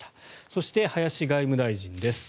そして、林外務大臣です。